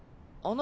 あ。